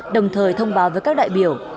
đồng thời thông báo với các đại biểu